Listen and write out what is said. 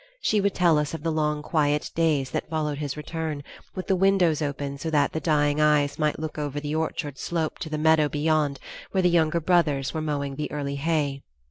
She would tell us of the long quiet days that followed his return, with the windows open so that the dying eyes might look over the orchard slope to the meadow beyond where the younger brothers were mowing the early hay.